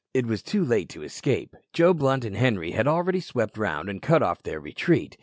It was too late to escape. Joe Blunt and Henri had already swept round and cut off their retreat.